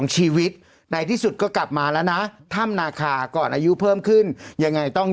ชีวิตในที่สุดก็กลับมาแล้วนะถ้ำนาคาก่อนอายุเพิ่มขึ้นยังไงต้อง